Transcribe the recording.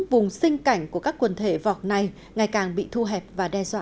vùng sinh cảnh của các quần thể vọc này ngày càng bị thu hẹp và đe dọa